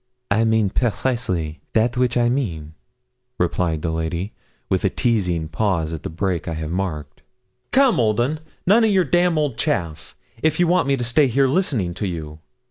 'I mean precisely that which I mean,' replied the lady, with a teazing pause at the break I have marked. 'Come, old 'un, none of your d old chaff, if you want me to stay here listening to you.